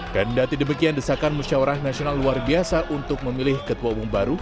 dan tidak tidak demikian desakan musyawarah nasional luar biasa untuk memilih ketua umum baru